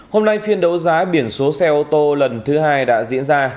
hôm nay phiên đấu giá biển số xe ô tô lần thứ hai đã diễn ra